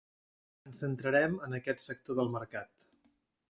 Ens centrarem en aquest sector del mercat.